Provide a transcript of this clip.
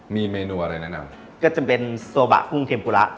มีเมนูอะไรแนะนำก็จะเป็นโซบะกุ้งเทมปุระ